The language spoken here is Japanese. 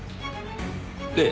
ええ。